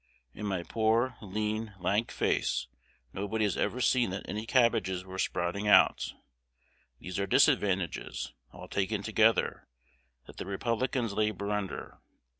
In my poor, lean, lank face, nobody has ever seen that any cabbages were sprouting out. These are disadvantages, all taken together, that the Republicans labor under.